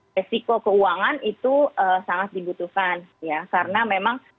resiko keuangan itu sangat dibutuhkan ya karena memang